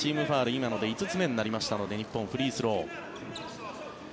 今ので５つ目になりましたので日本、フリースロー。